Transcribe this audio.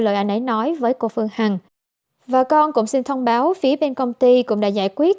lời anh ấy nói với cô phương hằng và con cũng xin thông báo phía bên công ty cũng đã giải quyết